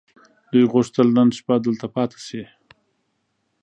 دوی غوښتل نن شپه دلته پاتې شي.